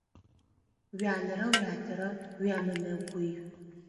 Уянэрэ уятэрэ уямынэгуй.